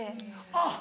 あっ。